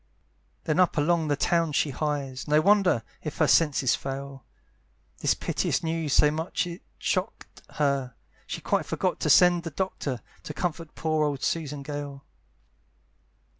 Then up along the town she hies, No wonder if her senses fail, This piteous news so much it shock'd her, She quite forgot to send the Doctor, To comfort poor old Susan Gale.